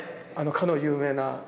かの有名な。